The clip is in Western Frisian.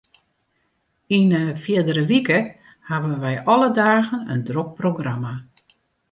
Yn 'e fierdere wike hawwe wy alle dagen in drok programma.